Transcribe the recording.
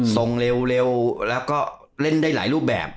ส่งเร็วแล้วก็เล่นได้หลายรูปแบบ